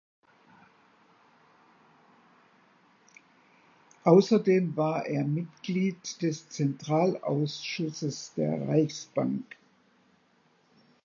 Außerdem war er Mitglied des Zentralausschusses der Reichsbank.